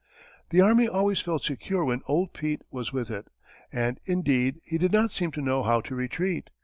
The army always felt secure when "Old Pete" was with it; and, indeed, he did not seem to know how to retreat.